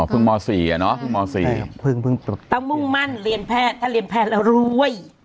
พึ่งม๔อ่ะเนาะม๔ต้องมั่นเรียนแพทย์เรียนแพทย์แล้วรวย